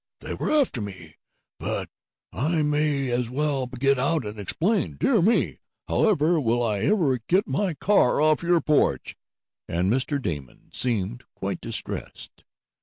They were after me. But I may as well get out and explain. Dear me! However will I ever get my car off your porch?" and Mr. Damon seemed quite distressed.